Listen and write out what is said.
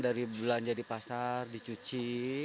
dari belanja di pasar dicuci